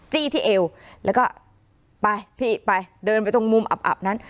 จี้ที่เอวแล้วก็ไปพี่ไปเดินไปตรงมุมอับนั้น